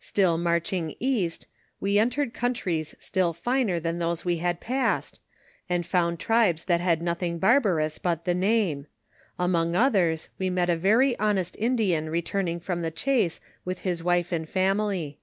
Still marching east, we entered countries still finer than those we had passed, and found tribes that had nothing bar barous but the name ; among others we met a very honest Indian returning from the chase with his wife and family.